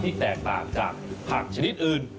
แตกต่างจากผักชนิดอื่น